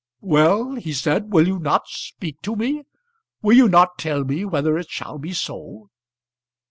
"Well," he said, "will you not speak to me? Will you not tell me whether it shall be so?"